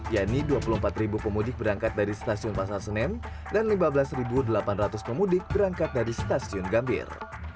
yakni dua puluh empat pemudik berangkat dari stasiun pasar senen dan lima belas delapan ratus pemudik berangkat dari stasiun gambir